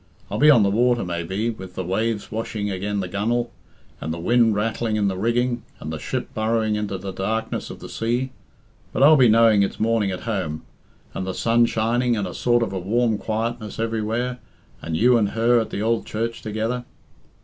I'll be on the water, maybe, with the waves washing agen the gun'ale, and the wind rattling in the rigging, and the ship burrowing into the darkness of the sea. But I'll be knowing it's morning at home, and the sun shining, and a sort of a warm quietness everywhere, and you and her at the ould church together."